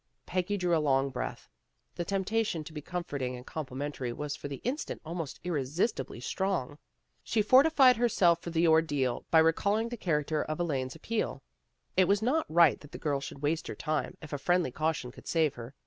Peggy drew a long breath. The temptation to be comforting and complimentary was for the instant almost irresistibly strong. She for tified herself for the ordeal by recalling the character of Elaine's appeal. It was not right that the girl should waste her time, if a friendly caution could save her.